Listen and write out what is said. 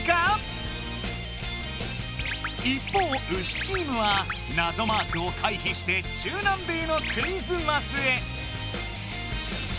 一方ウシチームはなぞマークを回避して中南米のクイズマスへ。